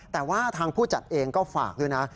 แต่ว่าทางผู้จัดเองก็ฝากด้วยนะ